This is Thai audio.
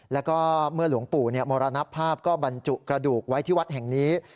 แล้วก็เมื่อหลวงปู่มรณภาพก็บรรจุกระดูกไว้ที่วัดแห่งนี้